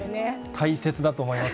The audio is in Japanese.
大切だと思います。